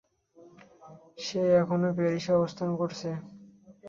সে এখনো প্যারিসে অবস্থান করছে।